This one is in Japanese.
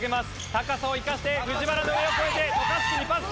高さを生かして藤原の上を越えて渡嘉敷にパス。